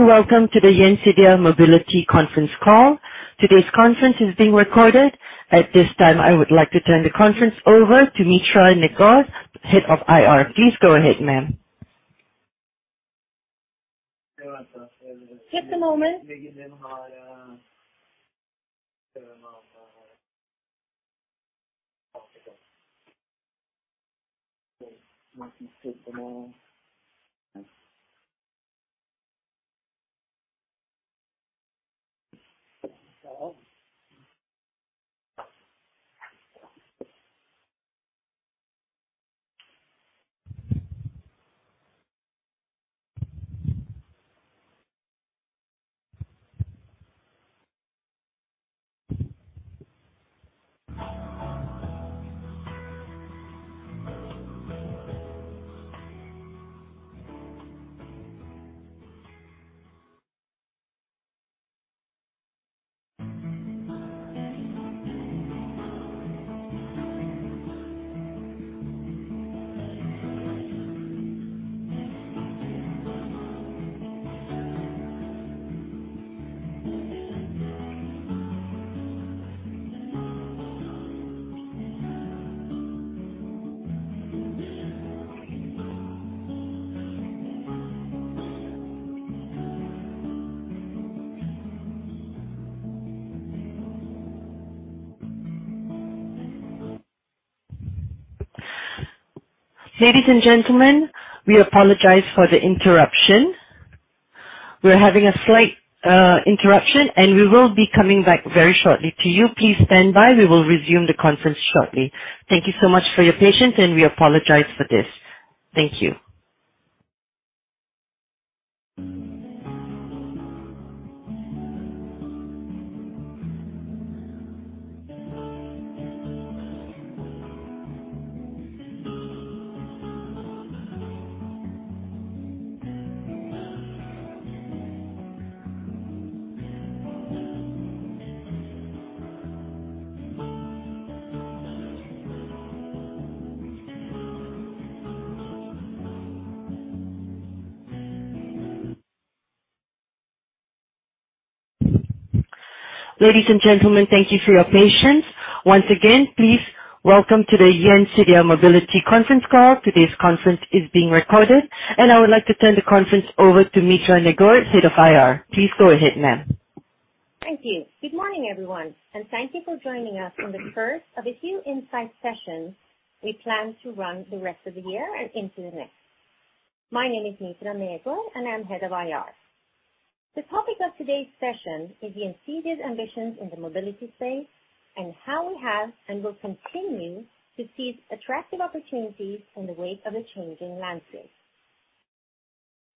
Good day and welcome to the Gjensidige Mobility Conference Call. Today's conference is being recorded. At this time, I would like to turn the conference over to Mitra Negård, Head of IR. Please go ahead, ma'am. Just a moment. Ladies and gentlemen, we apologize for the interruption. We're having a slight interruption, and we will be coming back very shortly to you. Please stand by. We will resume the conference shortly. Thank you so much for your patience, and we apologize for this. Thank you. Ladies and gentlemen, thank you for your patience. Once again, please welcome to the Gjensidige Mobility Conference Call. Today's conference is being recorded, and I would like to turn the conference over to Mitra Negård, Head of IR. Please go ahead, ma'am. Thank you. Good morning, everyone, and thank you for joining us on the first of a few insight sessions we plan to run the rest of the year and into the next. My name is Mitra Negård, and I'm Head of IR. The topic of today's session is Gjensidige ambitions in the mobility space and how we have and will continue to seize attractive opportunities in the wake of a changing landscape.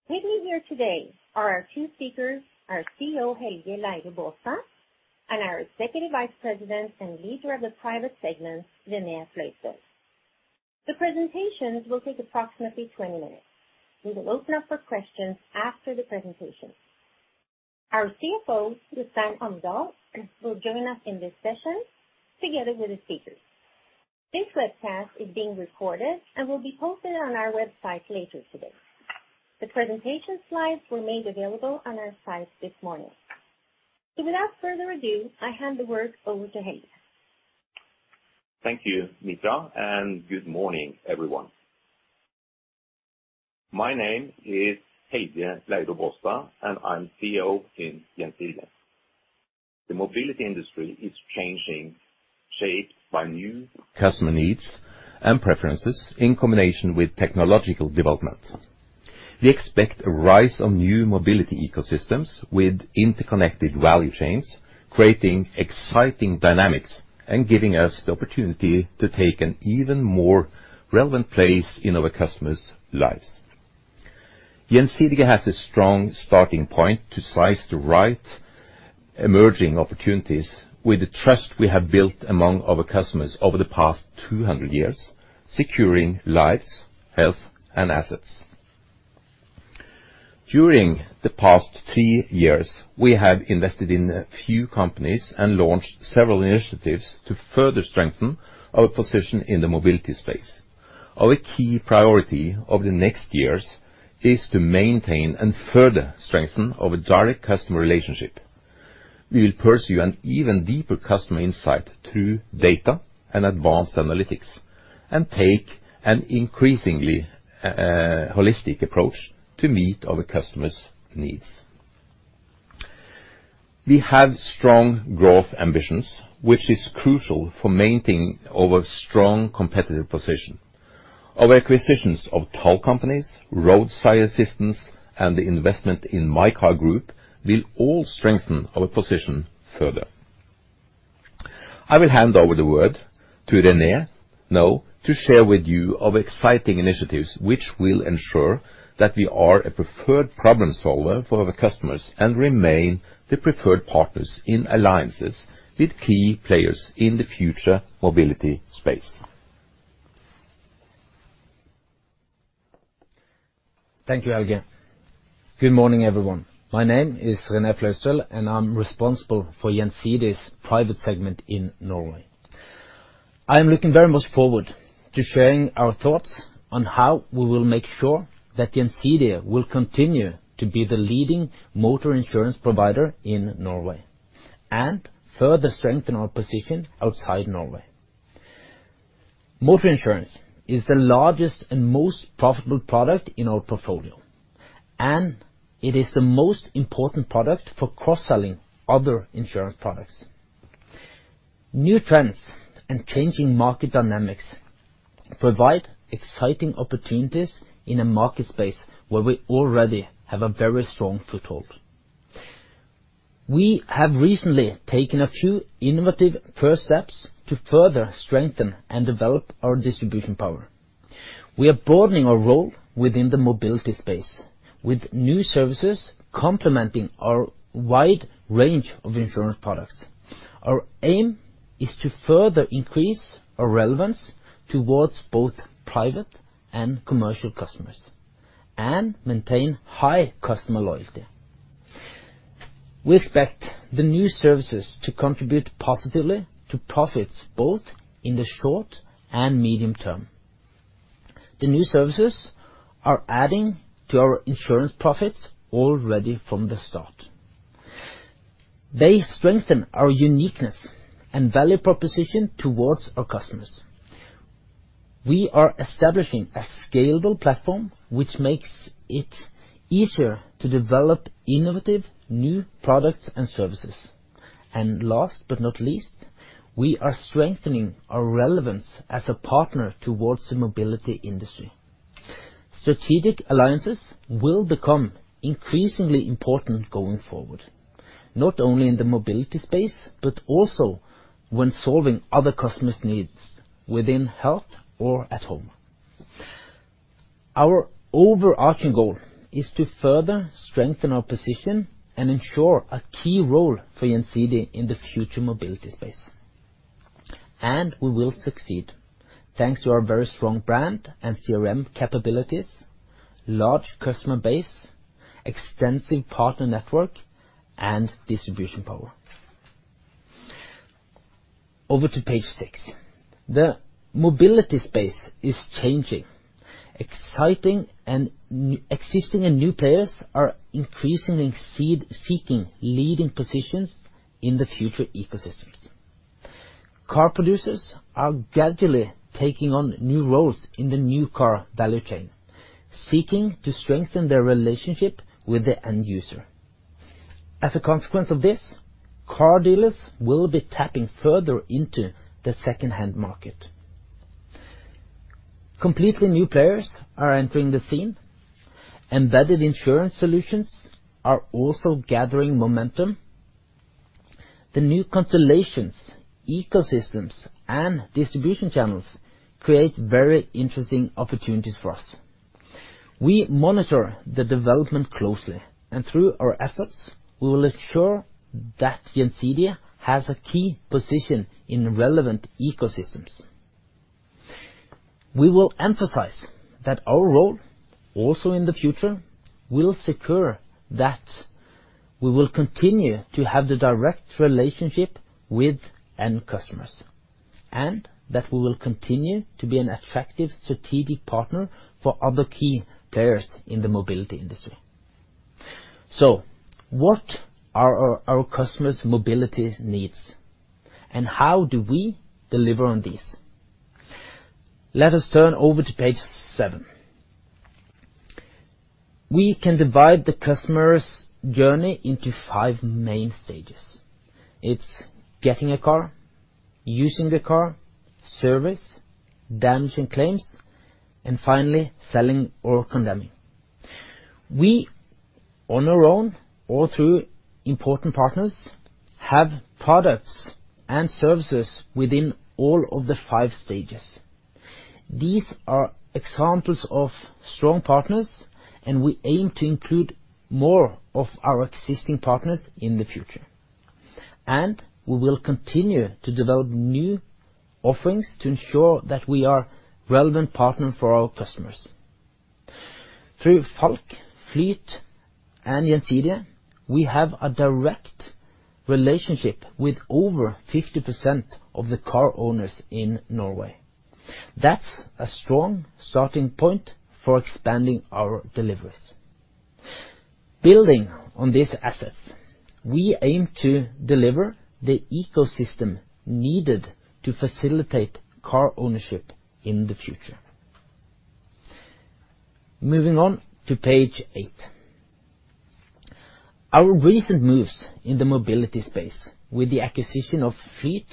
With me here today are our two speakers, our CEO, Helge Leiro Baastad, and our Executive Vice President and leader of the private segment, René Fløystøl. The presentations will take approximately 20 minutes. We will open up for questions after the presentations. Our CFO, Jostein Amdal, will join us in this session together with the speakers. This webcast is being recorded and will be posted on our website later today. The presentation slides were made available on our site this morning. Without further ado, I hand the word over to Helge. Thank you, Mitra, and good morning, everyone. My name is Helge Leiro Baastad, and I'm CEO in Gjensidige. The mobility industry is changing, shaped by new customer needs and preferences in combination with technological development. We expect a rise of new mobility ecosystems with interconnected value chains, creating exciting dynamics and giving us the opportunity to take an even more relevant place in our customers' lives. Gjensidige has a strong starting point to seize the right emerging opportunities with the trust we have built among our customers over the past 200 years, securing lives, health and assets. During the past 3 years, we have invested in a few companies and launched several initiatives to further strengthen our position in the mobility space. Our key priority over the next years is to maintain and further strengthen our direct customer relationship. We will pursue an even deeper customer insight through data and advanced analytics and take an increasingly holistic approach to meet our customers' needs. We have strong growth ambitions, which is crucial for maintaining our strong competitive position. Our acquisitions of toll companies, roadside assistance, and the investment in MyCar Group will all strengthen our position further. I will hand over the word to René now to share with you our exciting initiatives which will ensure that we are a preferred problem solver for our customers and remain the preferred partners in alliances with key players in the future mobility space. Thank you, Helge. Good morning, everyone. My name is René Fløystøl, and I'm responsible for Gjensidige's private segment in Norway. I am looking very much forward to sharing our thoughts on how we will make sure that Gjensidige will continue to be the leading Motor insurance provider in Norway and further strengthen our position outside Norway. Motor insurance is the largest and most profitable product in our portfolio, and it is the most important product for cross-selling other insurance products. New trends and changing market dynamics provide exciting opportunities in a market space where we already have a very strong foothold. We have recently taken a few innovative first steps to further strengthen and develop our distribution power. We are broadening our role within the mobility space with new services complementing our wide range of insurance products. Our aim is to further increase our relevance towards both private and commercial customers and maintain high customer loyalty. We expect the new services to contribute positively to profits, both in the short and medium term. The new services are adding to our insurance profits already from the start. They strengthen our uniqueness and value proposition towards our customers. We are establishing a scalable platform which makes it easier to develop innovative new products and services. Last but not least, we are strengthening our relevance as a partner towards the mobility industry. Strategic alliances will become increasingly important going forward, not only in the mobility space, but also when solving other customers needs within health or at home. Our overarching goal is to further strengthen our position and ensure a key role for Gjensidige in the future mobility space. We will succeed, thanks to our very strong brand and CRM capabilities, large customer base, extensive partner network and distribution power. Over to page six. The mobility space is changing. Existing and new players are increasingly seeking leading positions in the future ecosystems. Car producers are gradually taking on new roles in the new car value chain, seeking to strengthen their relationship with the end user. As a consequence of this, car dealers will be tapping further into the second hand market. Completely new players are entering the scene. Embedded insurance solutions are also gathering momentum. The new constellations, ecosystems and distribution channels create very interesting opportunities for us. We monitor the development closely, and through our efforts, we will ensure that Gjensidige has a key position in relevant ecosystems. We will emphasize that our role also in the future will secure that. We will continue to have the direct relationship with end customers, and that we will continue to be an attractive strategic partner for other key players in the mobility industry. What are our customers' mobility needs and how do we deliver on these? Let us turn over to page seven. We can divide the customer's journey into five main stages. It's getting a car, using the car, service, damage and claims, and finally selling or condemning. We on our own or through important partners have products and services within all of the five stages. These are examples of strong partners, and we aim to include more of our existing partners in the future. We will continue to develop new offerings to ensure that we are relevant partner for our customers. Through Falck, Flyt and Gjensidige, we have a direct relationship with over 50% of the car owners in Norway. That's a strong starting point for expanding our deliveries. Building on these assets, we aim to deliver the ecosystem needed to facilitate car ownership in the future. Moving on to page eight. Our recent moves in the mobility space with the acquisition of Flyt,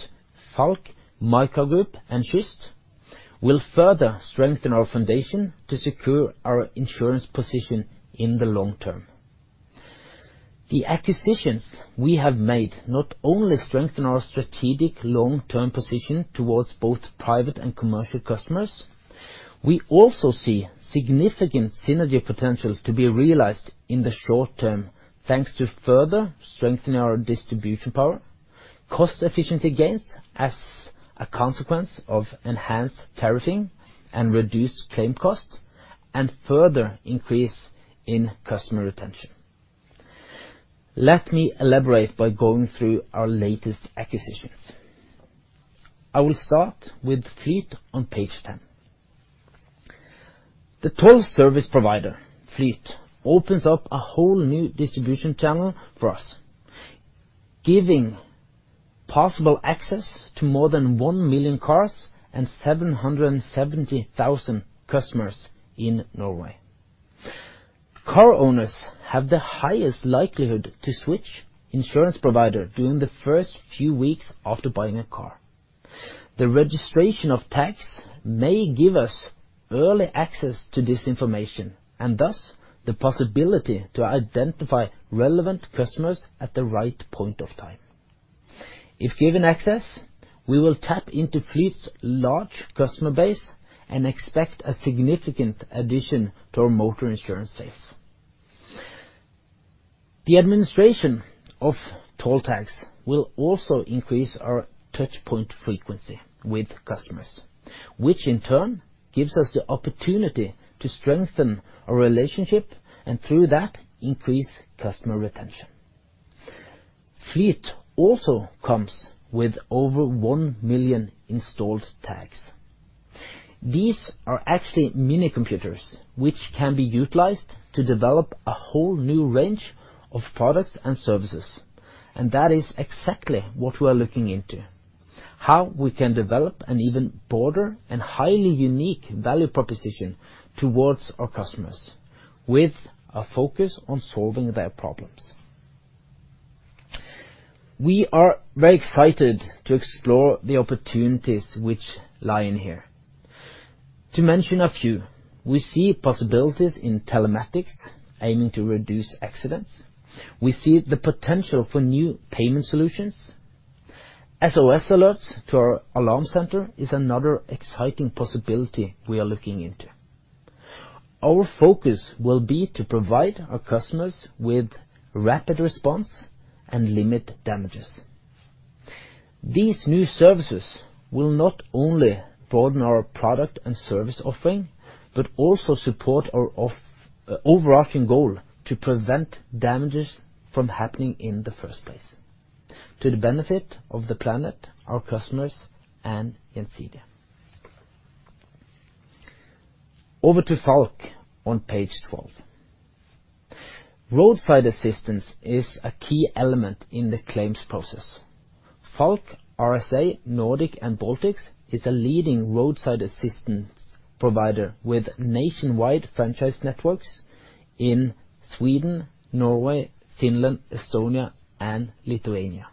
Falck, MyCar Group and Schyst will further strengthen our foundation to secure our insurance position in the long term. The acquisitions we have made not only strengthen our strategic long term position towards both private and commercial customers. We also see significant synergy potential to be realized in the short term, thanks to further strengthening our distribution power, cost efficiency gains as a consequence of enhanced tariffing and reduced claim cost, and further increase in customer retention. Let me elaborate by going through our latest acquisitions. I will start with Flyt on page 10. The toll service provider, Flyt, opens up a whole new distribution channel for us, giving possible access to more than 1 million cars and 770,000 customers in Norway. Car owners have the highest likelihood to switch insurance provider during the first few weeks after buying a car. The registration of tags may give us early access to this information, and thus the possibility to identify relevant customers at the right point of time. If given access, we will tap into Flyt's large customer base and expect a significant addition to our motor insurance sales. The administration of toll tags will also increase our touchpoint frequency with customers, which in turn gives us the opportunity to strengthen our relationship and through that, increase customer retention. Flyt also comes with over 1 million installed tags. These are actually mini computers, which can be utilized to develop a whole new range of products and services, and that is exactly what we are looking into. How we can develop an even broader and highly unique value proposition towards our customers with a focus on solving their problems. We are very excited to explore the opportunities which lie in here. To mention a few, we see possibilities in telematics aiming to reduce accidents. We see the potential for new payment solutions. SOS alerts to our alarm center is another exciting possibility we are looking into. Our focus will be to provide our customers with rapid response and limit damages. These new services will not only broaden our product and service offering, but also support our overarching goal to prevent damages from happening in the first place to the benefit of the planet, our customers and Gjensidige. Over to Falck on page twelve. Roadside assistance is a key element in the claims process. Falck RSA Nordic & Baltics is a leading roadside assistance provider with nationwide franchise networks in Sweden, Norway, Finland, Estonia and Lithuania.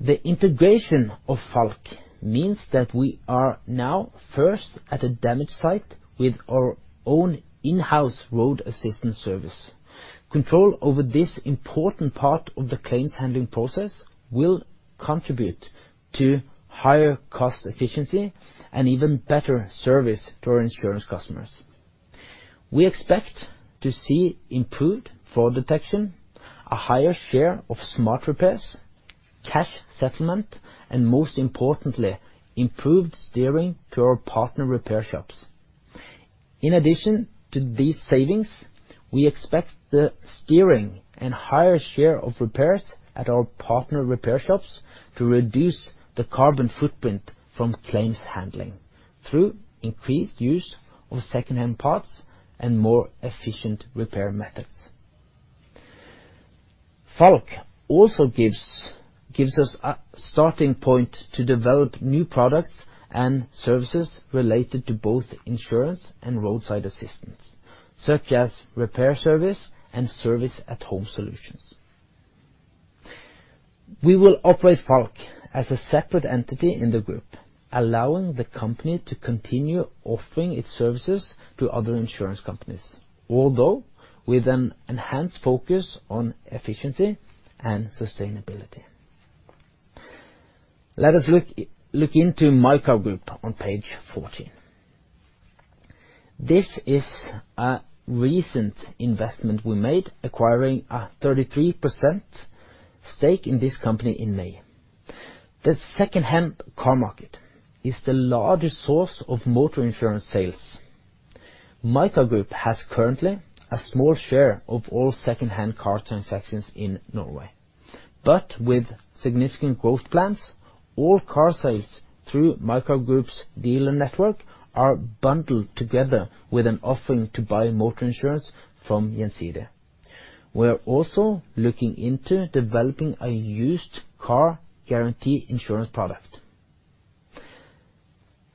The integration of Falck means that we are now first at a damage site with our own in-house road assistance service. Control over this important part of the claims handling process will contribute to higher cost efficiency and even better service to our insurance customers. We expect to see improved fraud detection, a higher share of SMART repairs, cash settlement and most importantly, improved steering to our partner repair shops. In addition to these savings, we expect the steering and higher share of repairs at our partner repair shops to reduce the carbon footprint from claims handling through increased use of secondhand parts and more efficient repair methods. Falck also gives us a starting point to develop new products and services related to both insurance and roadside assistance, such as repair service and service at home solutions. We will operate Falck as a separate entity in the group, allowing the company to continue offering its services to other insurance companies, although with an enhanced focus on efficiency and sustainability. Let us look into MyCar Group on page 14. This is a recent investment we made, acquiring a 33% stake in this company in May. The secondhand car market is the largest source of motor insurance sales. MyCar Group has currently a small share of all secondhand car transactions in Norway, but with significant growth plans, all car sales through MyCar Group's dealer network are bundled together with an offering to buy motor insurance from Gjensidige. We are also looking into developing a used car guarantee insurance product.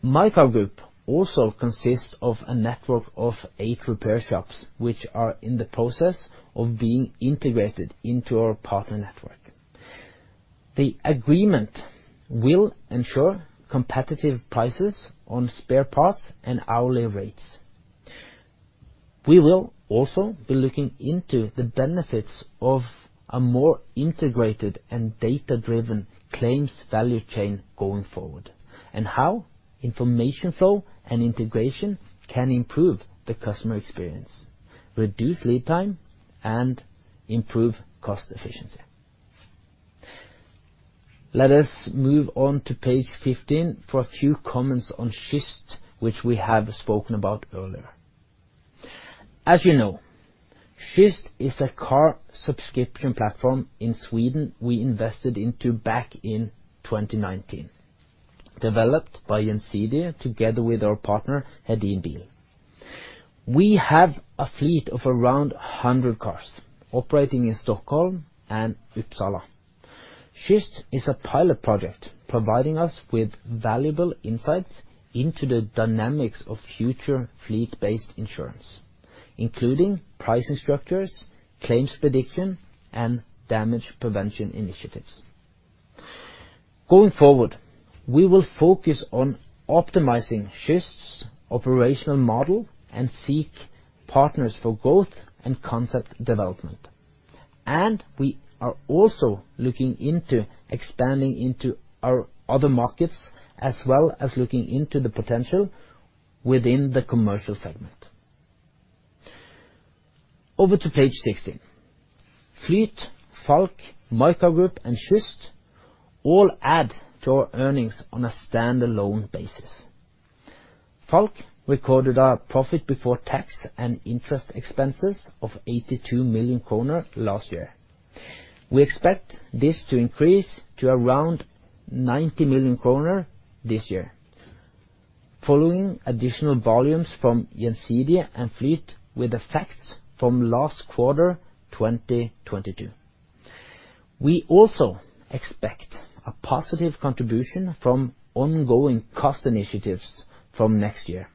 MyCar Group also consists of a network of 8 repair shops, which are in the process of being integrated into our partner network. The agreement will ensure competitive prices on spare parts and hourly rates. We will also be looking into the benefits of a more integrated and data-driven claims value chain going forward and how information flow and integration can improve the customer experience, reduce lead time and improve cost efficiency. Let us move on to page 15 for a few comments on Schyst, which we have spoken about earlier. As you know, Schyst is a car subscription platform in Sweden we invested into back in 2019, developed by Gjensidige together with our partner, Hedin Bil. We have a fleet of around 100 cars operating in Stockholm and Uppsala. Schyst is a pilot project providing us with valuable insights into the dynamics of future fleet-based insurance, including pricing structures, claims prediction, and damage prevention initiatives. Going forward, we will focus on optimizing Schyst's operational model and seek partners for growth and concept development. We are also looking into expanding into our other markets as well as looking into the potential within the commercial segment. Over to page 16. Flyt, Falck, MyCar Group, and Schyst all add to our earnings on a standalone basis. Falck recorded a profit before tax and interest expenses of 82 million kroner last year. We expect this to increase to around 90 million kroner this year. Following additional volumes from Gjensidige and Flyt with effects from last quarter, 2022. We also expect a positive contribution from ongoing cost initiatives from next year.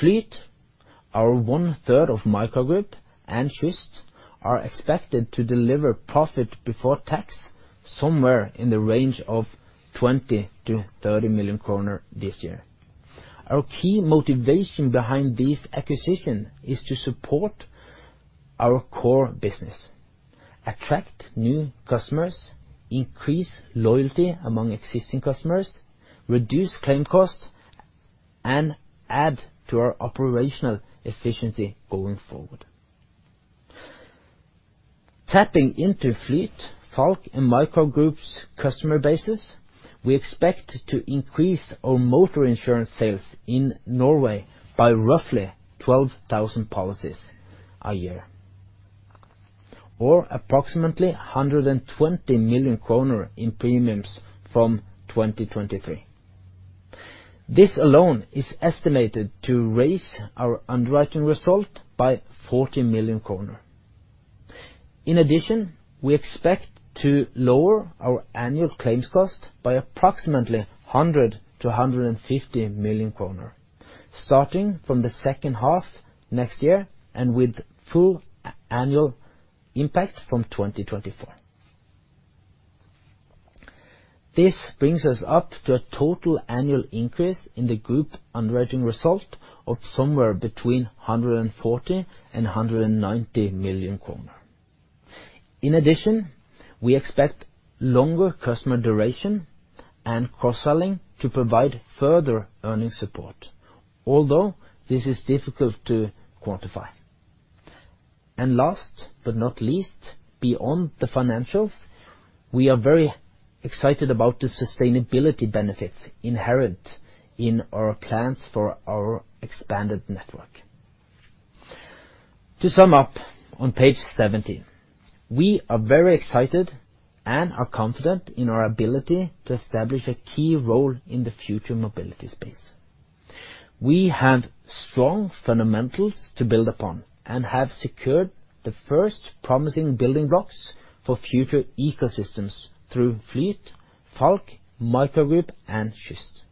Flyt, our one-third of MyCar Group and Schyst are expected to deliver profit before tax somewhere in the range of 20 million-30 million kroner this year. Our key motivation behind this acquisition is to support our core business, attract new customers, increase loyalty among existing customers, reduce claim cost, and add to our operational efficiency going forward. Tapping into Flyt, Falck, and MyCar Group's customer bases, we expect to increase our motor insurance sales in Norway by roughly 12,000 policies a year or approximately 120 million kroner in premiums from 2023. This alone is estimated to raise our underwriting result by 40 million kroner. In addition, we expect to lower our annual claims cost by approximately 100-150 million kroner starting from the second half next year and with full annual impact from 2024. This brings us up to a total annual increase in the group underwriting result of somewhere between 140 million kroner and 190 million kroner. In addition, we expect longer customer duration and cross-selling to provide further earning support, although this is difficult to quantify. Last but not least, beyond the financials, we are very excited about the sustainability benefits inherent in our plans for our expanded network. To sum up on page 17, we are very excited and are confident in our ability to establish a key role in the future mobility space. We have strong fundamentals to build upon and have secured the first promising building blocks for future ecosystems through Flyt, Falck, MyCar Group, and Schyst.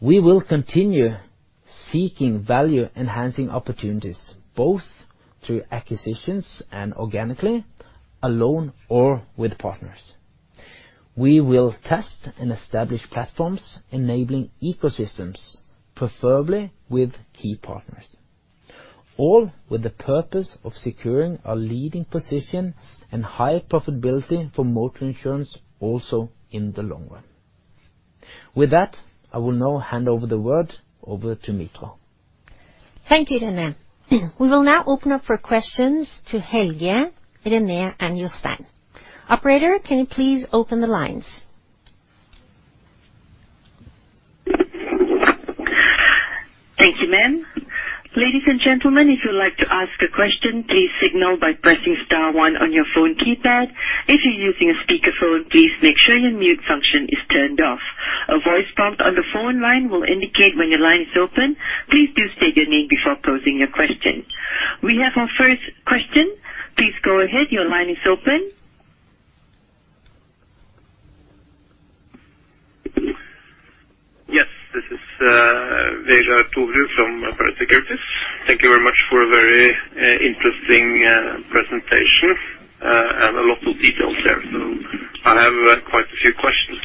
We will continue seeking value enhancing opportunities both through acquisitions and organically, alone or with partners. We will test and establish platforms enabling ecosystems, preferably with key partners, all with the purpose of securing a leading position and higher profitability for motor insurance also in the long run. With that, I will now hand the word over to Mitra. Thank you, René. We will now open up for questions to Helge, René and Jostein. Operator, can you please open the lines? Thank you, ma'am. Ladies and gentlemen, if you'd like to ask a question, please signal by pressing star one on your phone keypad. If you're using a speakerphone, please make sure your mute function is turned off. A voice prompt on the phone line will indicate when your line is open. Please do state your name before posing your question. We have our first question. Please go ahead. Your line is open. Yes, this is Vegard Tobiassen from Pareto Securities. Thank you very much for a very interesting presentation and a lot of details there. I have quite a few questions.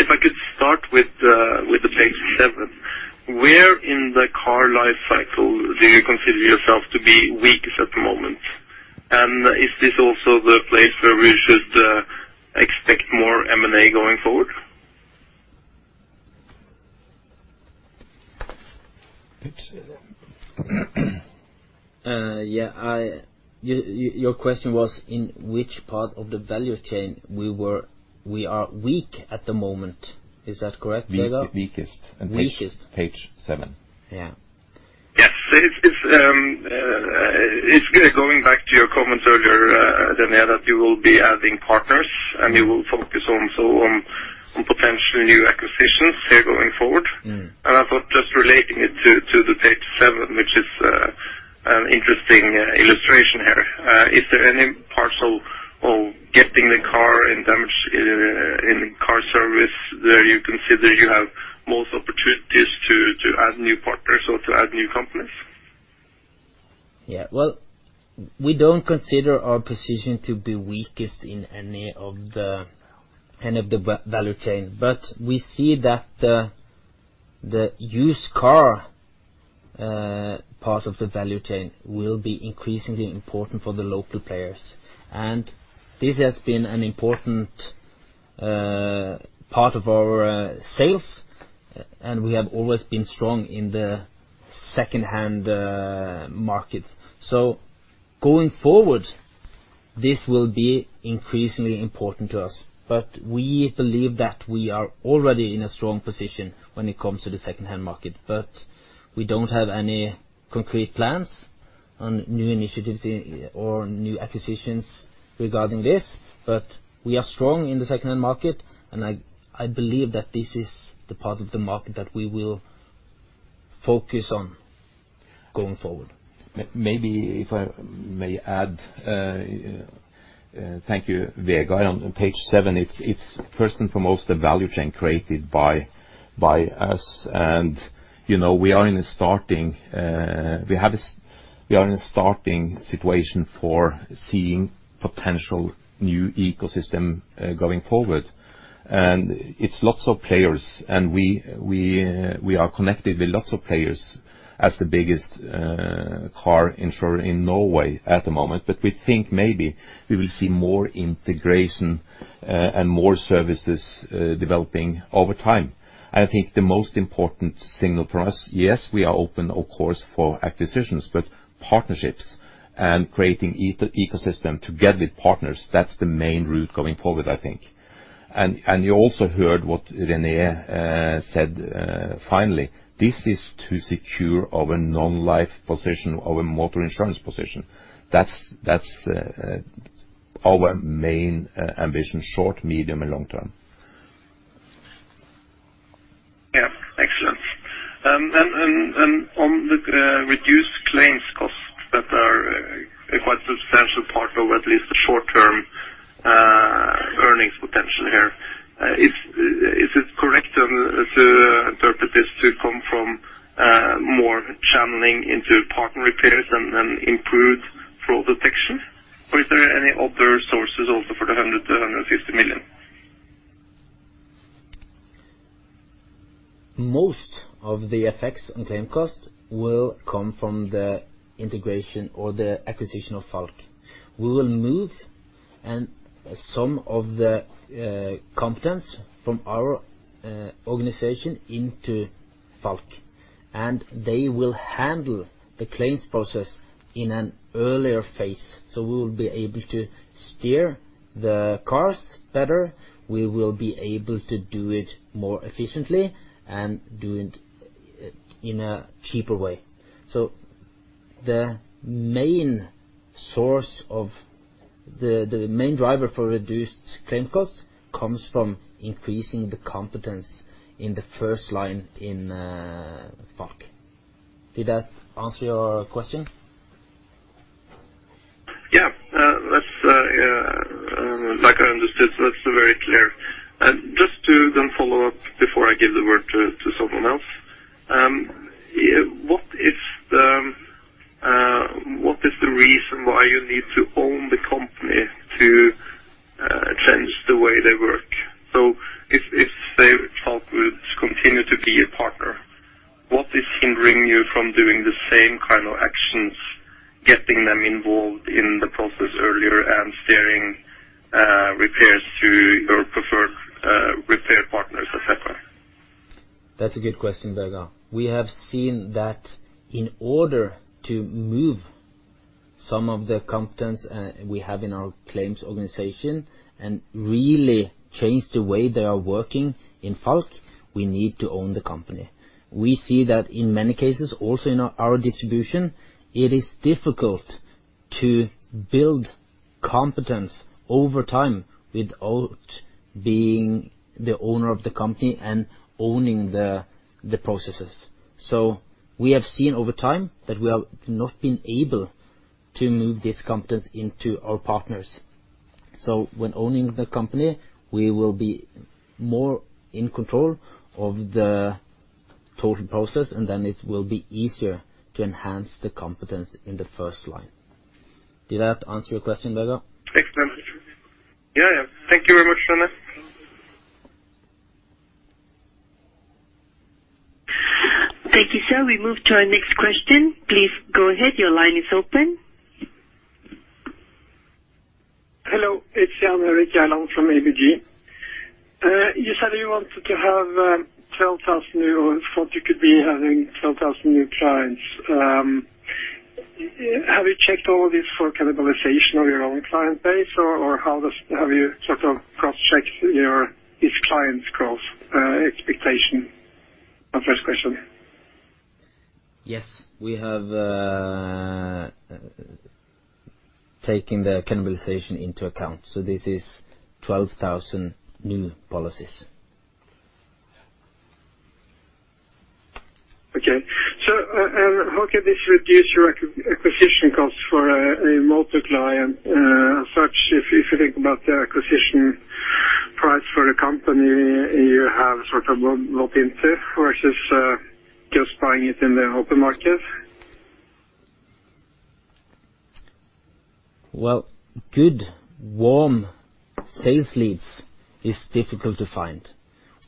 If I could start with the page seven. Where in the car life cycle do you consider yourself to be weakest at the moment? And is this also the place where we should expect more M&A going forward? Oops. Yeah, your question was in which part of the value chain we are weak at the moment. Is that correct, Vegard? Weak, weakest. Weakest. Page seven. Yeah. Yes. It's going back to your comment earlier, René, that you will be adding partners- Mm. You will focus also on potential new acquisitions here going forward. Mm. I thought just relating it to the page seven, which is an interesting illustration here. Is there any parts of getting the car and damage in car service where you consider you have most opportunities to add new partners or to add new companies? Well, we don't consider our position to be weakest in any of the value chain, but we see that the used car part of the value chain will be increasingly important for the local players. This has been an important part of our sales, and we have always been strong in the second-hand market. Going forward, this will be increasingly important to us, but we believe that we are already in a strong position when it comes to the second-hand market. We don't have any concrete plans on new initiatives in or new acquisitions regarding this. We are strong in the second-hand market, and I believe that this is the part of the market that we will focus on going forward. Maybe if I may add, thank you, Vegard. On page seven, it's first and foremost a value chain created by us. You know, we are in a starting situation for seeing potential new ecosystem going forward. It's lots of players, and we are connected with lots of players as the biggest car insurer in Norway at the moment. We think maybe we will see more integration and more services developing over time. I think the most important signal for us, yes, we are open, of course, for acquisitions, but partnerships and creating ecosystem together with partners, that's the main route going forward, I think. You also heard what René said finally. This is to secure our non-life position, our motor insurance position. That's our main ambition, short, medium, and long term. Yeah. Excellent. On the reduced claims costs that are a quite substantial part of at least the short term earnings potential here, is it correct to interpret this to come from more channeling into partner repairs and then improved fraud detection? Or is there any other sources also for the 100-150 million? Most of the effects on claim cost will come from the integration or the acquisition of Falck. We will move and some of the competence from our organization into Falck, and they will handle the claims process in an earlier phase. We will be able to steer the cars better, we will be able to do it more efficiently and do it in a cheaper way. The main driver for reduced claim costs comes from increasing the competence in the first line in Falck. Did that answer your question? That's like I understood, so that's very clear. Just to then follow up before I give the word to someone else. What is the reason why you need to own the company to change the way they work? If, say, Falck would continue to be a partner, what is hindering you from doing the same kind of actions, getting them involved in the process earlier and steering repairs to your preferred repair partners, et cetera? That's a good question, Vegard. We have seen that in order to move some of the competence we have in our claims organization and really change the way they are working in Falck, we need to own the company. We see that in many cases also in our distribution, it is difficult to build competence over time without being the owner of the company and owning the processes. We have seen over time that we have not been able to move this competence into our partners. When owning the company, we will be more in control of the total process, and then it will be easier to enhance the competence in the first line. Did that answer your question, Vegard? Excellent. Yeah, yeah. Thank you very much, René. Thank you, sir. We move to our next question. Please go ahead. Your line is open. It's Jan Erik Gjerland from ABG. You said you wanted to have 12,000 new or thought you could be having 12,000 new clients. Have you checked all of this for cannibalization of your own client base, or have you sort of cross-checked these clients' growth expectation? My first question. Yes, we have taking the cannibalization into account. This is 12,000 new policies. How can this reduce your acquisition costs for a multi-client as such, if you think about the acquisition price for a company, you have sort of built in there versus just buying it in the open market? Well, good warm sales leads is difficult to find.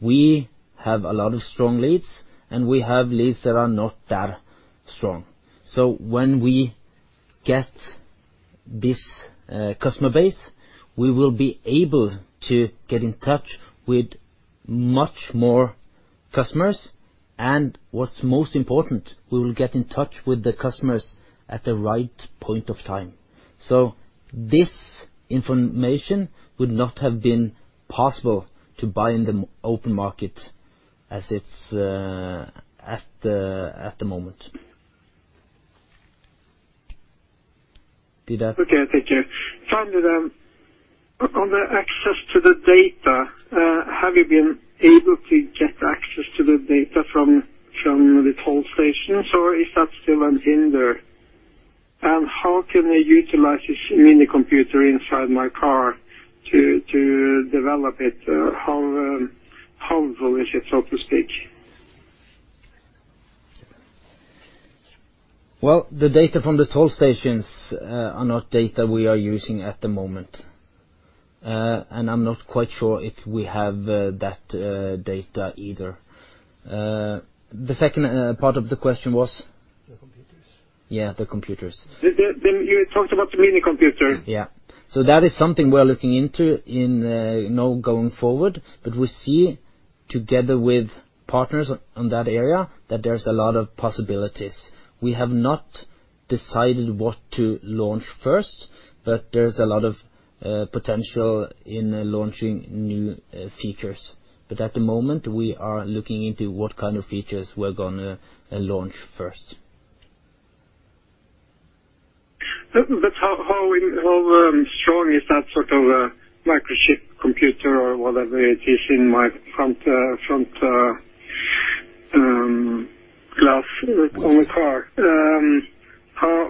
We have a lot of strong leads, and we have leads that are not that strong. When we get this customer base, we will be able to get in touch with much more customers, and what's most important, we will get in touch with the customers at the right point of time. This information would not have been possible to buy in the open market as it's at the moment. Did that. Okay. Thank you. Finally, on the access to the data, have you been able to get access to the data from the toll stations, or is that still a hindrance? How can I utilize this mini computer inside my car to develop it? How helpful is it, so to speak? Well, the data from the toll stations are not data we are using at the moment. I'm not quite sure if we have that data either. The second part of the question was? The computers. Yeah, the computers. You talked about the mini computer. Yeah. That is something we are looking into in, you know, going forward. We see together with partners on that area that there's a lot of possibilities. We have not decided what to launch first, but there's a lot of potential in launching new features. At the moment, we are looking into what kind of features we're gonna launch first. How strong is that sort of a microchip computer or whatever it is in my front glass on the car? How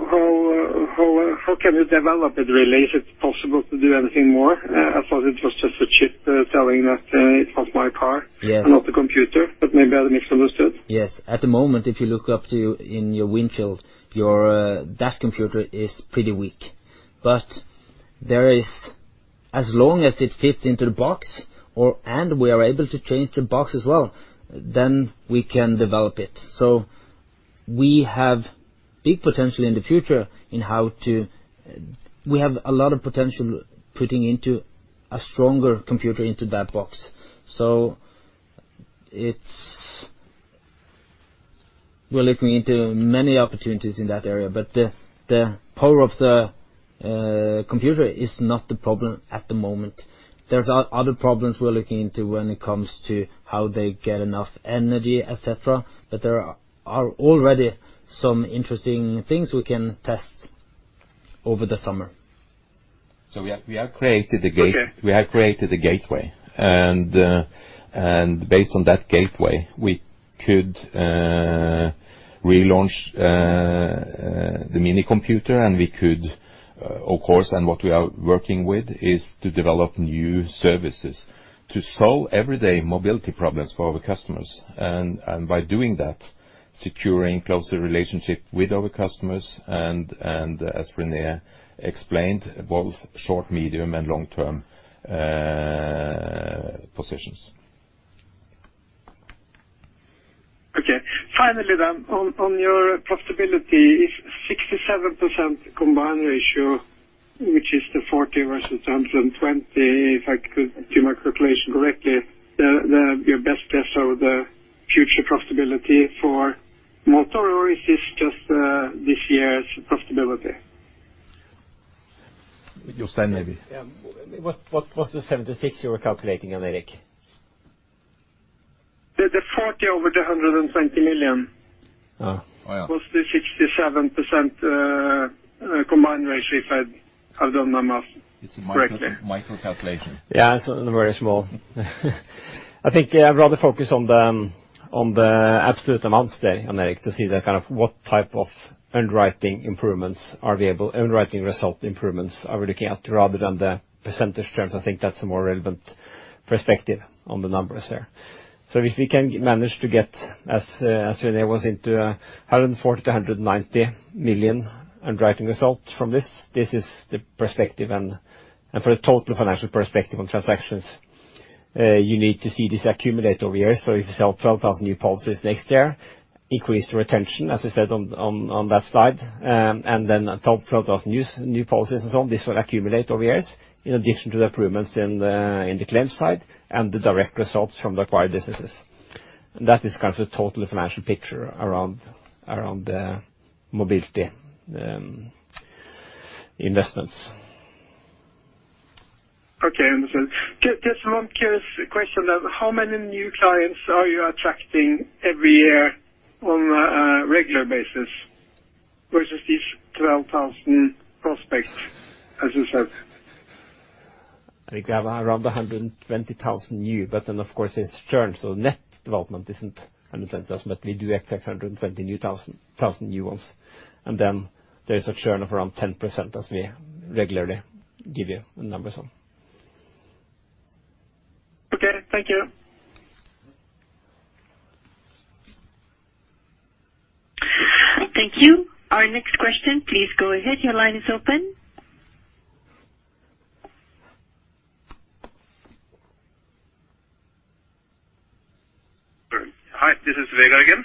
can you develop it really, if it's possible to do anything more? I thought it was just a chip telling that it was my car. Yes. Not the computer, but maybe I misunderstood. Yes. At the moment, if you look up in your windshield, that computer is pretty weak. As long as it fits into the box, and we are able to change the box as well, then we can develop it. We have big potential in the future. We have a lot of potential putting a stronger computer into that box. We're looking into many opportunities in that area, but the power of the computer is not the problem at the moment. There are other problems we're looking into when it comes to how they get enough energy, et cetera. There are already some interesting things we can test over the summer. We have created the gate. Okay. We have created the gateway, and based on that gateway, we could relaunch the MyCar, of course, what we are working with is to develop new services to solve everyday mobility problems for our customers. By doing that, securing close relationship with our customers and, as René explained, both short, medium, and long-term positions. Finally, on your profitability, if 67% combined ratio, which is the 40 versus 120, if I could do my calculation correctly, your best guess of the future profitability for Motor or is this just this year's profitability? Jostein, maybe. Yeah. What was the 76 you were calculating on, Erik? The 40 over the 120 million. Oh. Oh, yeah. Was the 67% combined ratio, if I have done the math correctly? It's a micro calculation. Yeah. It's very small. I think I'd rather focus on the absolute amounts there, Jan Erik Gjerland, to see the kind of what type of underwriting result improvements are we looking at rather than the percentage terms. I think that's a more relevant perspective on the numbers there. If we can manage to get as René Fløystøl was in 140 million-190 million underwriting results from this. This is the perspective and for the total financial perspective on transactions. You need to see this accumulate over years. If you sell 12,000 new policies next year, increase the retention, as I said on that slide, and then add 12,000 new policies and so on, this will accumulate over years in addition to the improvements in the claims side and the direct results from the acquired businesses. That is kind of the total financial picture around the mobility investments. Okay, understood. Just one curious question then. How many new clients are you attracting every year on a regular basis versus these 12,000 prospects, as you said? I think we have around 120,000 new, but then of course it's churn, so net development isn't 100,000, but we do expect 120,000 new ones. Then there is a churn of around 10% as we regularly give you the numbers on. Okay, thank you. Thank you. Our next question, please go ahead. Your line is open. Hi, this is Vegard again.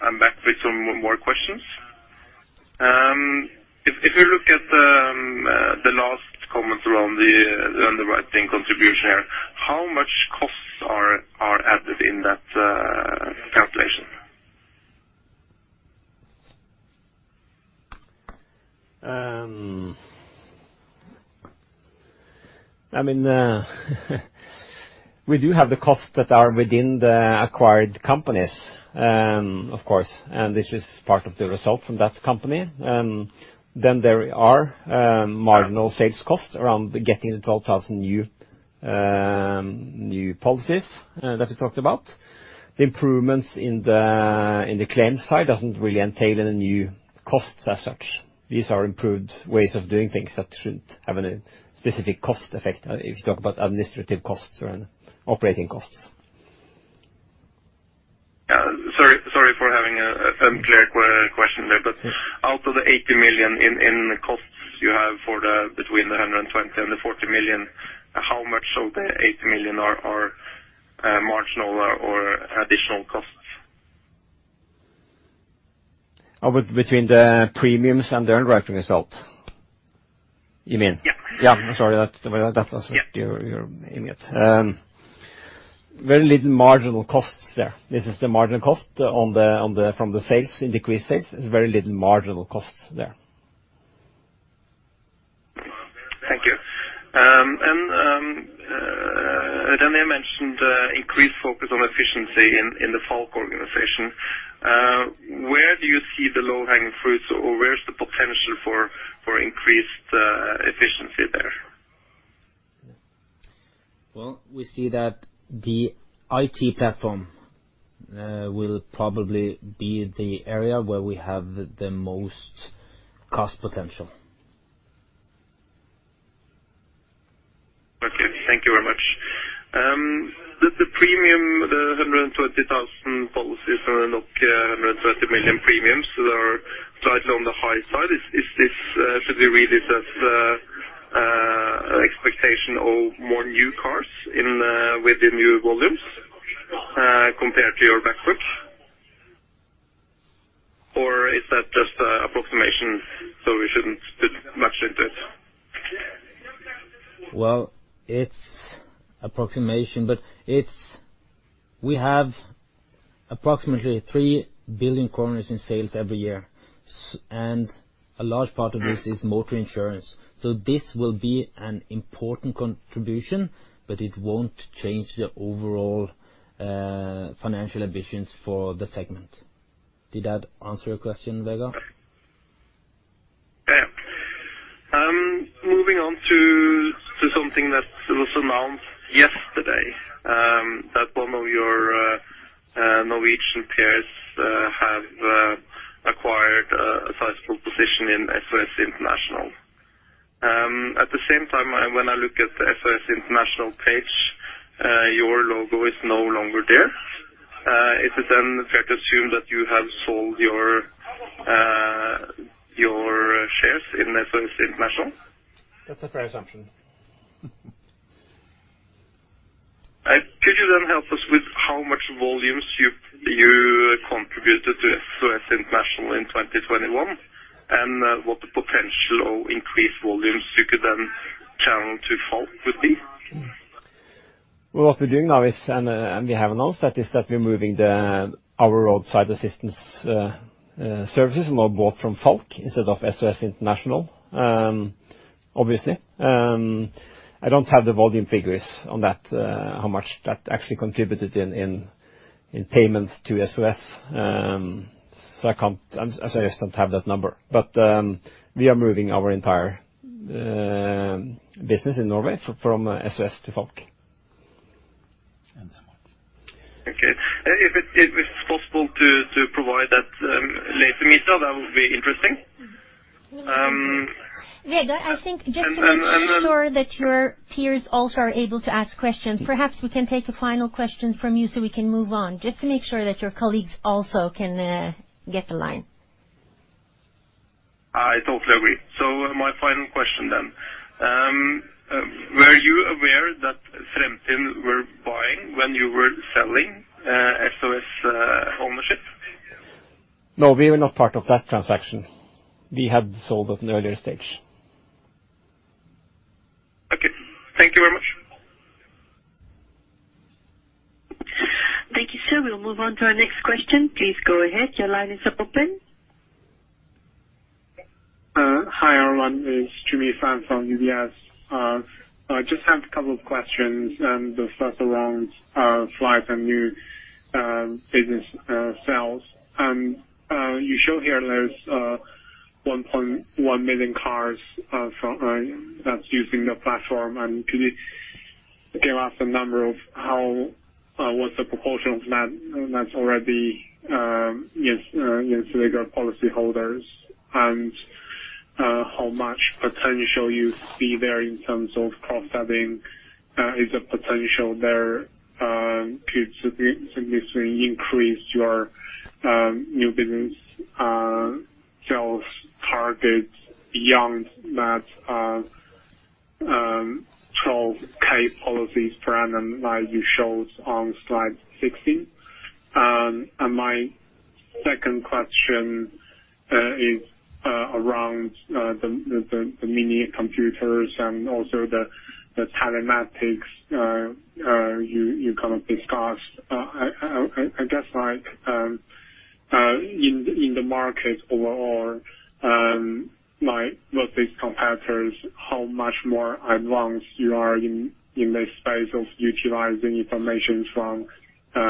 I'm back with some more questions. If you look at the last comment around the underwriting contribution error, how much costs are added in that calculation? I mean, we do have the costs that are within the acquired companies, of course, and this is part of the result from that company. Then there are marginal sales costs around getting the 12,000 new policies that we talked about. The improvements in the claims side doesn't really entail any new costs as such. These are improved ways of doing things that shouldn't have any specific cost effect, if you talk about administrative costs or operating costs. Sorry for having an unclear question there. Out of the 80 million in costs you have for the between the 120 million and the 40 million, how much of the 80 million are marginal or additional costs? Oh, between the premiums and the underwriting result, you mean? Yep. Yeah. Sorry, that was what you were aiming at. Very little marginal costs there. This is the marginal cost from the sales, increased sales. There's very little marginal costs there. Thank you. René Fløystøl mentioned increased focus on efficiency in the Falck organization. Where do you see the low-hanging fruits or where is the potential for increased efficiency there? Well, we see that the IT platform will probably be the area where we have the most cost potential. Okay, thank you very much. The premium, the 120,000 policies and NOK 130 million premiums are slightly on the high side. Is this to be read as an expectation of more new cars within new volumes, compared to your backwards? Is that just an approximation, so we shouldn't put much into it? Well, it's an approximation, but it is. We have approximately three billion kroner in sales every year, and a large part of this is Motor insurance. This will be an important contribution, but it won't change the overall, financial ambitions for the segment. Did that answer your question, Vegard? Yeah. Moving on to something that was announced yesterday, that one of your Norwegian peers have acquired a sizable position in SOS International. At the same time, when I look at the SOS International page, your logo is no longer there. Is it then fair to assume that you have sold your shares in SOS International? That's a fair assumption. Could you help us with how much volumes you contributed to SOS International in 2021 and what the potential increased volumes you could then channel to Falck would be? Well, what we're doing now is we have announced that we're moving our roadside assistance services are now bought from Falck instead of SOS International, obviously. I don't have the volume figures on that, how much that actually contributed in payments to SOS. I can't. I'm sorry, I just don't have that number. We are moving our entire business in Norway from SOS to Falck. Okay. If it's possible to provide that later, Mitra, that would be interesting. Vegard Tobiassen, I think just to make sure that your peers also are able to ask questions, perhaps we can take a final question from you so we can move on, just to make sure that your colleagues also can get the line. I totally agree. My final question then. Were you aware that Fremtind were buying when you were selling SOS ownership? No, we were not part of that transaction. We had sold at an earlier stage. Okay. Thank you very much. Thank you, sir. We'll move on to our next question. Please go ahead. Your line is open. Hi, everyone. It's Qian Lu from UBS. I just have a couple of questions, the first around slides and new business sales. You show here there's 1.1 million cars that's using the platform. Can you give us a number of how what's the proportion of that that's already Gjensidige policy holders and how much potential you see there in terms of cost saving? Is the potential there could significantly increase your new business sales targets beyond that 12,000 policies per annum like you showed on slide 16. My second question is around the mini computers and also the telematics you kind of discussed. I guess, like, in the market overall, like with these competitors, how much more advanced you are in this space of utilizing information from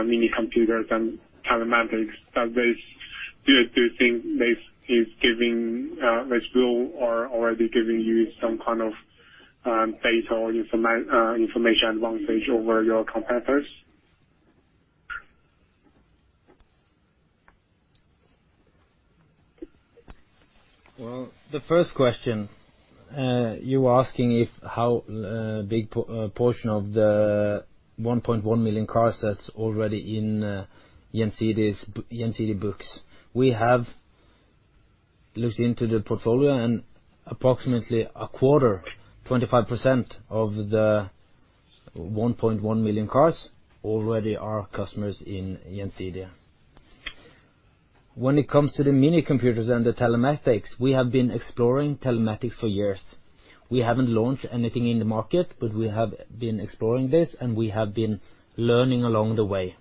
mini computers and telematics. Do you think this is giving this will or already giving you some kind of data or information advantage over your competitors? Well, the first question you were asking how big a portion of the 1.1 million cars that's already in Gjensidige's books. We have looked into the portfolio and approximately a quarter, 25% of the 1.1 million cars already are customers in Gjensidige. When it comes to the mini computers and the telematics, we have been exploring telematics for years. We haven't launched anything in the market, but we have been exploring this, and we have been learning along the way.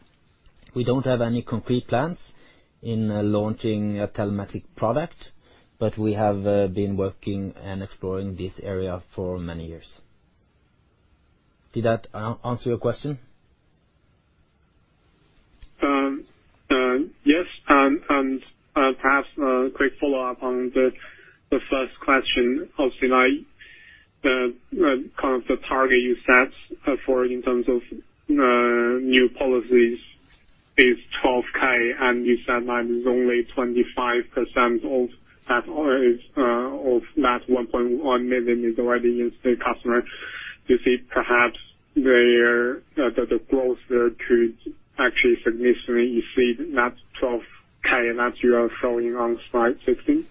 We don't have any concrete plans in launching a telematic product, but we have been working and exploring this area for many years. Did that answer your question? Yes, perhaps a quick follow-up on the first question. Obviously, like, the kind of target you set for in terms of new policies is 12k, and you said like only 25% of that or is of that 1.1 million is already Gjensidige customer. Do you see perhaps that the growth there could actually significantly exceed that 12k amount you are showing on slide 16?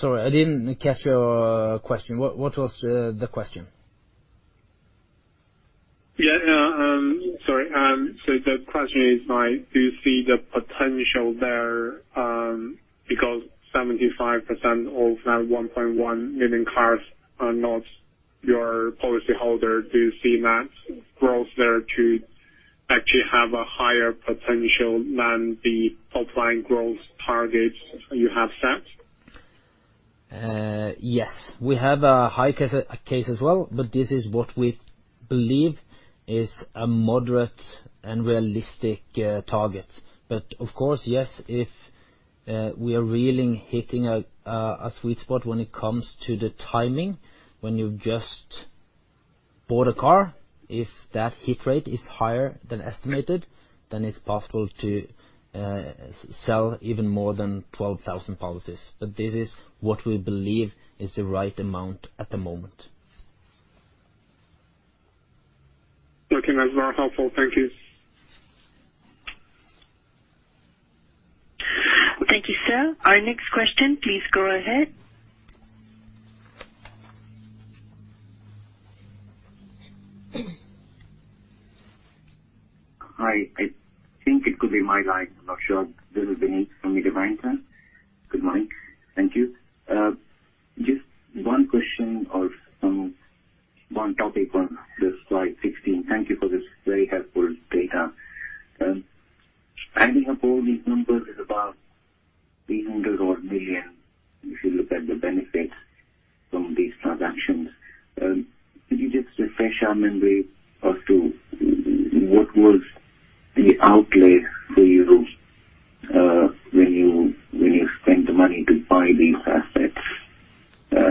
Sorry, I didn't catch your question. What was the question? Sorry, the question is like, do you see the potential there, because 75% of that 1.1 million cars are not your policy holder? Do you see that growth there to actually have a higher potential than the top-line growth targets you have set? Yes. We have a high case as well, but this is what we believe is a moderate and realistic target. Of course, yes, if we are really hitting a sweet spot when it comes to the timing, when you just bought a car, if that hit rate is higher than estimated, then it's possible to sell even more than 12,000 policies. This is what we believe is the right amount at the moment. Okay. That's very helpful. Thank you. Thank you, sir. Our next question, please go ahead. Hi. I think it could be my line. I'm not sure. This is Vinit from Mediobanca. Good morning. Thank you. Just one question or some. One topic on the slide 16. Thank you for this very helpful data. Adding up all these numbers is about 300 million, if you look at the benefits from these transactions. Could you just refresh our memory as to what was the outlay for you, when you spent the money to buy these assets,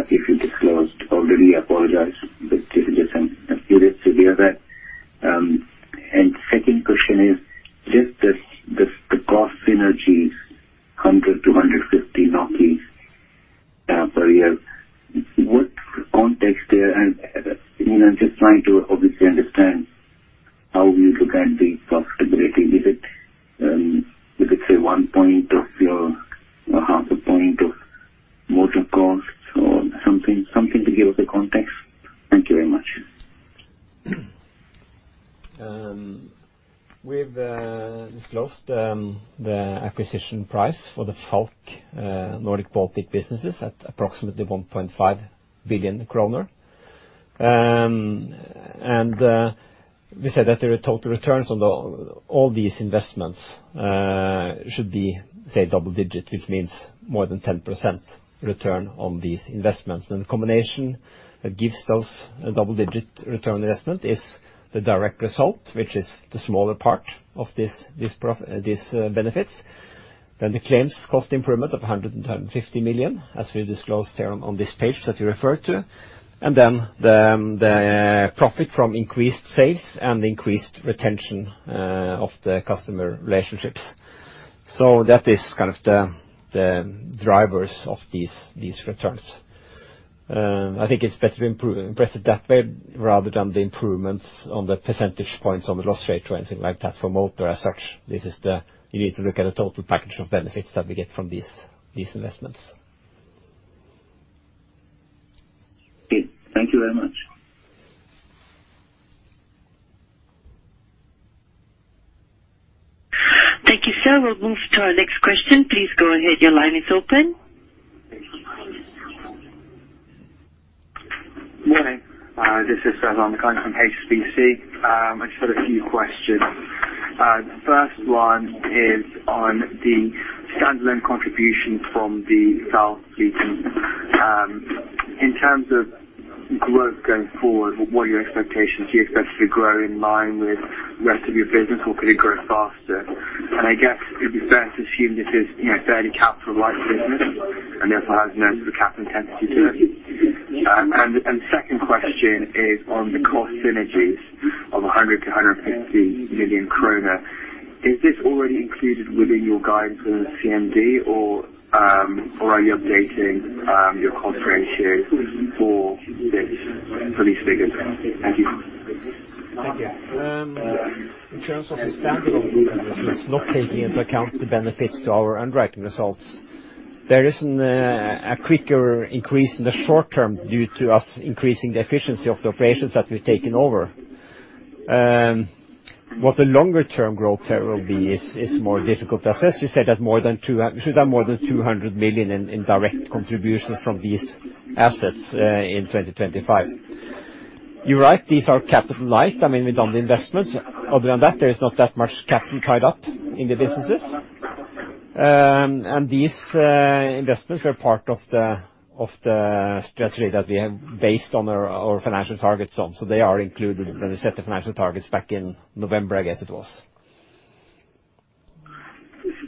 if you disclosed already, I apologize. Just curious to hear that. And second question is just the cost synergies, 100 million-150 million. Sorry, yeah. What context there and, I mean, I'm just trying to obviously understand how we look at the profitability. Is it, say, one point or half a point of motor costs or something to give us a context? Thank you very much. We've disclosed the acquisition price for the Falck RSA Nordic & Baltics at approximately 1.5 billion kroner. We said that the total returns on all these investments should be, say, double-digit, which means more than 10% return on these investments. The combination that gives us a double-digit return on investment is the direct result, which is the smaller part of this benefits. The claims cost improvement of 110 million-150 million, as we disclosed here on this page that you referred to. Then the profit from increased sales and increased retention of the customer relationships. That is kind of the drivers of these returns. I think it's better impressed that way rather than the improvements on the percentage points on the loss rate or anything like that for motor as such. You need to look at the total package of benefits that we get from these investments. Okay. Thank you very much. Thank you, sir. We'll move to our next question. Please go ahead. Your line is open. Morning. This is in terms of the standalone group, which is not taking into account the benefits to our underwriting results. There isn't a quicker increase in the short term due to us increasing the efficiency of the operations that we've taken over. What the longer-term growth rate will be is more difficult to assess. We said that more than 200 million in direct contributions from these assets in 2025. You're right, these are capital light. I mean, we've done the investments. Other than that, there is not that much capital tied up in the businesses. These investments were part of the strategy that we have based on our financial targets on. They are included when we set the financial targets back in November, I guess it was.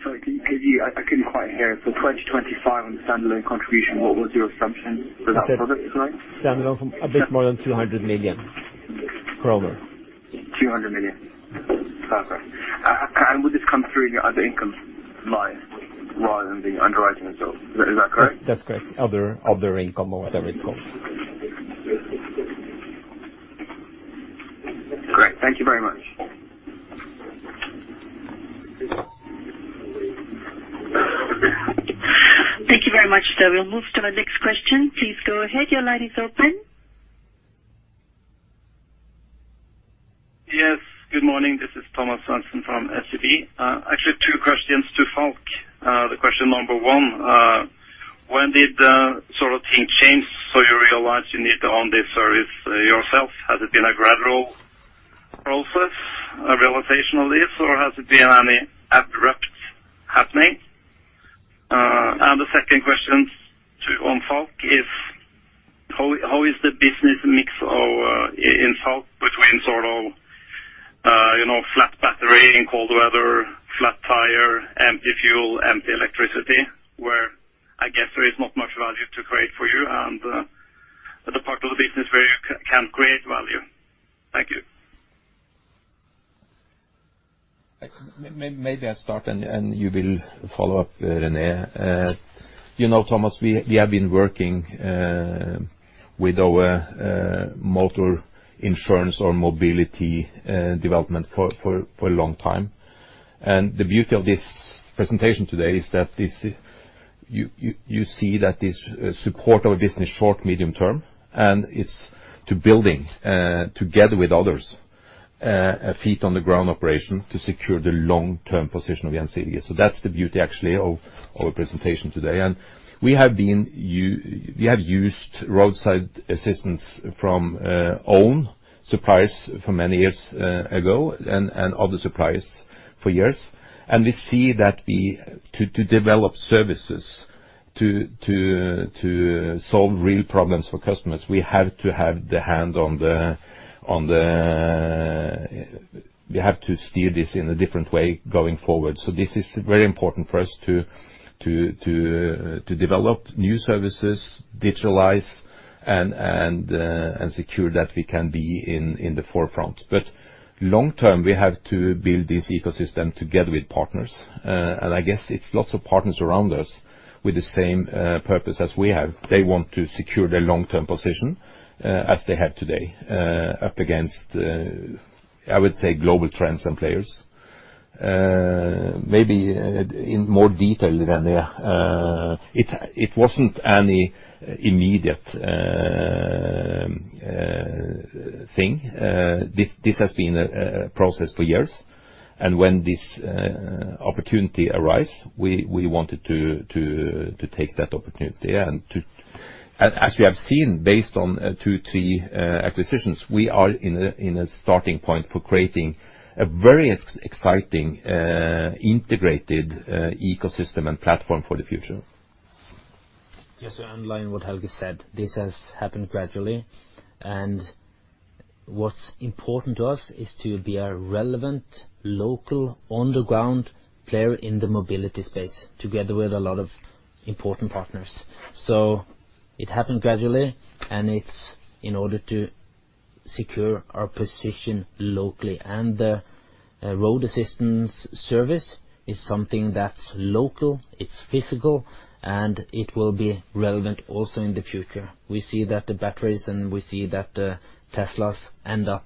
Sorry. I couldn't quite hear. For 2025 on the standalone contribution, what was your assumption for that product line? Standalone, a bit more than 200 million. 200 million. Perfect. Would this come through in your other income line rather than the underwriting results? Is that correct? That's correct. Other income or whatever it's called. Great. Thank you very much. Thank you very much, sir. We'll move to our next question. Please go ahead. Your line is open. Yes. Good morning. This is Thomas Svendsen from SEB. Actually two questions to Falck. The question number one, when did the sort of thing change so you realized you need to own this service yourself? Has it been a gradual process, a realization of this, or has it been any abrupt happening? And the second question on Falck is how is the business mix of in Falck between sort of you know, flat battery in cold weather, flat tire, empty fuel, empty electricity, where I guess there is not much value to create for you and the part of the business where you can create value. Thank you. Maybe I start and you will follow up, René. You know, Thomas, we have been working with our motor insurance or mobility development for a long time. The beauty of this presentation today is that you see that this support our business short, medium term, and it's to building together with others a foot on the ground operation to secure the long-term position of the NCD. That's the beauty actually of our presentation today. We have used roadside assistance from own suppliers for many years ago and other suppliers for years. We see that to develop services to solve real problems for customers, we have to have the hand on the. We have to steer this in a different way going forward. This is very important for us to develop new services, digitalize and secure that we can be in the forefront. Long term, we have to build this ecosystem together with partners. I guess it's lots of partners around us with the same purpose as we have. They want to secure their long-term position as they have today up against, I would say, global trends and players. Maybe in more detail than there. It wasn't any immediate thing. This has been a process for years. When this opportunity arise, we wanted to take that opportunity, as we have seen based on two, three acquisitions, we are in a starting point for creating a very exciting integrated ecosystem and platform for the future. Just to underline what Helge said. This has happened gradually, and what's important to us is to be a relevant local on the ground player in the mobility space together with a lot of important partners. It happened gradually, and it's in order to secure our position locally. The roadside assistance service is something that's local, it's physical, and it will be relevant also in the future. We see that the batteries and the Teslas end up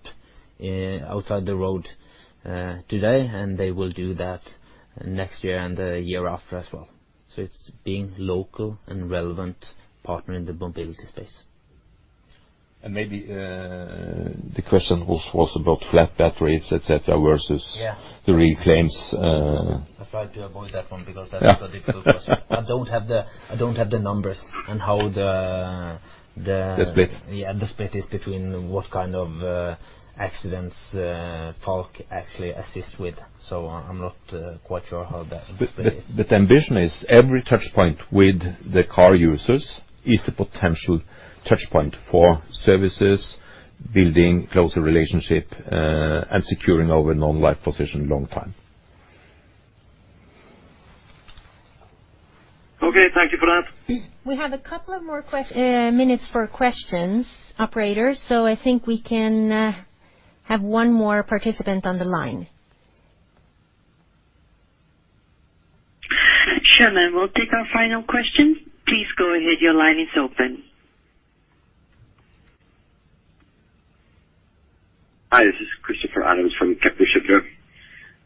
off the road today, and they will do that next year and the year after as well. It's being a local and relevant partner in the mobility space. Maybe the question was about flat batteries, et cetera, versus- Yeah. The reclaims. I tried to avoid that one because that is a difficult question. Yeah. I don't have the numbers and how the The split. Yeah, the split is between what kind of accidents Falck actually assists with. I'm not quite sure how that split is. The ambition is every touchpoint with the car users is a potential touchpoint for services, building closer relationship, and securing our non-life position long time. Okay, thank you for that. We have a couple of more minutes for questions, operator. I think we can have one more participant on the line. Sure, ma'am. We'll take our final question. Please go ahead. Your line is open. Hi, this is Christopher Adams from Jefferies.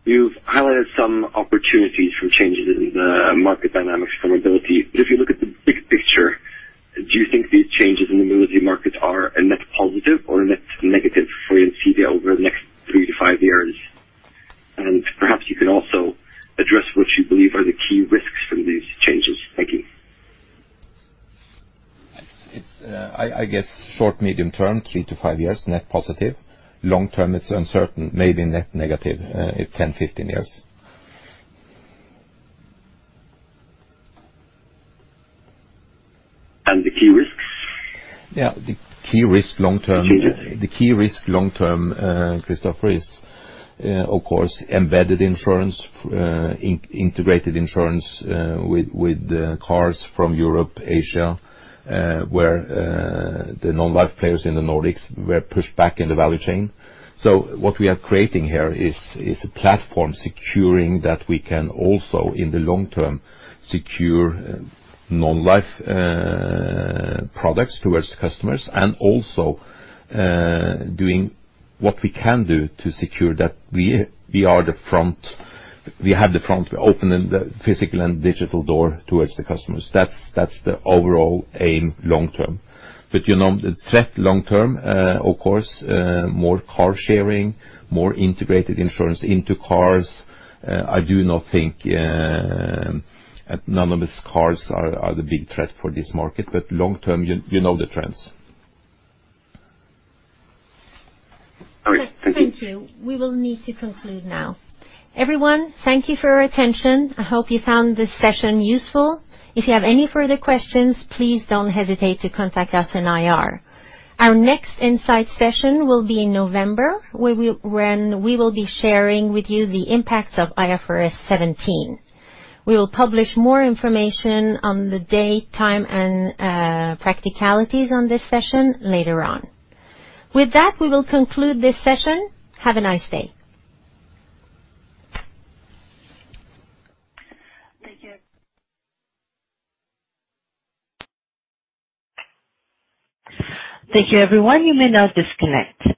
You've highlighted some opportunities from changes in the market dynamics for mobility. If you look at the big picture, do you think these changes in the mobility markets are a net positive or a net negative for you in CBA over the next three-five years? Perhaps you can also address what you believe are the key risks from these changes. Thank you. I guess short, medium-term, three-five years, net positive. Long-term, it's uncertain. Maybe net negative in 10, 15 years. The key risks? Yeah. The key risk long-term. Key risks. The key risk long-term, Christopher, is, of course, embedded insurance, integrated insurance, with cars from Europe, Asia, where the non-life players in the Nordics were pushed back in the value chain. What we are creating here is a platform securing that we can also, in the long term, secure non-life products towards customers and also, doing what we can do to secure that we have the front, we open the physical and digital door towards the customers. That's the overall aim long term. You know, the threat long term, of course, more car sharing, more integrated insurance into cars. I do not think autonomous cars are the big threat for this market. Long term, you know the trends. All right. Thank you. Thank you. We will need to conclude now. Everyone, thank you for your attention. I hope you found this session useful. If you have any further questions, please don't hesitate to contact us in IR. Our next insight session will be in November, where, when we will be sharing with you the impacts of IFRS 17. We will publish more information on the date, time, and practicalities on this session later on. With that, we will conclude this session. Have a nice day. Thank you. Thank you, everyone. You may now disconnect.